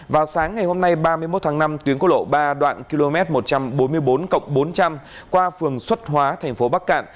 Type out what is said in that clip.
vào sáng ngày hôm nay ba mươi một tháng năm tuyến của lộ ba đoạn km một trăm bốn mươi bốn bốn trăm linh qua phường xuất hóa thành phố bắc cạn